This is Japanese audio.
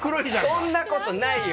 そんなことないよ。